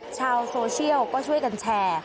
ชาวโซเชียลก็ช่วยกันแชร์